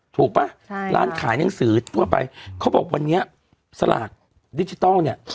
ป่ะใช่ร้านขายหนังสือทั่วไปเขาบอกวันนี้สลากดิจิทัลเนี่ย